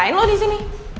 ngapain lo disini